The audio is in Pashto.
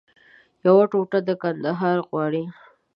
یوه ټوټه د کندهار غواړي